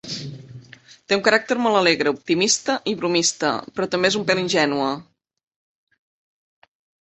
Té un caràcter molt alegre, optimista i bromista, però també és un pèl ingènua.